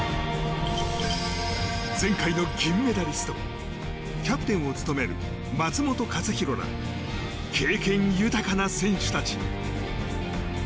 前回の銀メダリストキャプテンを務める松元克央ら経験豊かな選手たち。